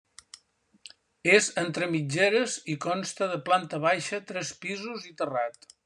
És entre mitgeres i consta de planta baixa, tres pisos i terrat.